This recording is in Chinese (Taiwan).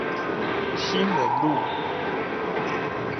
興仁路